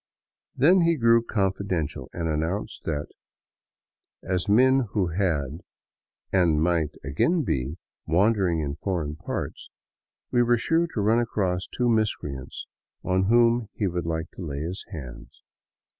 Then he grew confidential and announced that, as men who had, and might again be, wandering in foreign parts, we were sure to run across two miscreants on whom he would like to lay his hands.